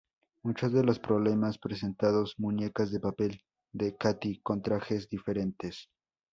Muchos de los problemas presentados muñecas de papel de Katy con trajes diferentes.